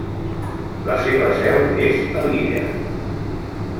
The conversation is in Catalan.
La seva seu és a Lilla.